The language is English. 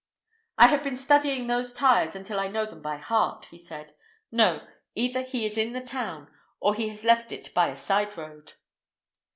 "I have been studying those tyres until I know them by heart," he said. "No; either he is in the town, or he has left it by a side road."